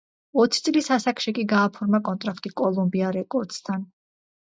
ოცი წლის ასაკში კი გააფორმა კონტრაქტი კოლუმბია რეკორდსთან.